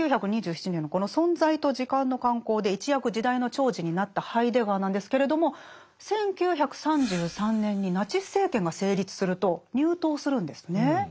１９２７年のこの「存在と時間」の刊行で一躍時代の寵児になったハイデガーなんですけれども１９３３年にナチス政権が成立すると入党するんですね。